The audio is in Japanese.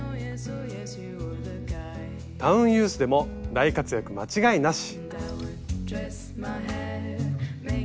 タウンユースでも大活躍間違いなし。